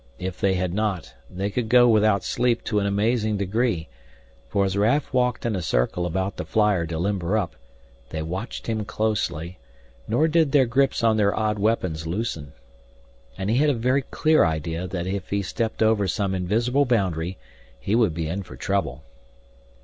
If they had not, they could go without sleep to an amazing degree, for as Raf walked in a circle about the flyer to limber up, they watched him closely, nor did their grips on their odd weapons loosen. And he had a very clear idea that if he stepped over some invisible boundary he would be in for trouble.